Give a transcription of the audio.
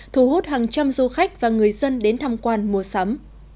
thu hút hàng trăm du khách và người dân đến tham quan mua sắm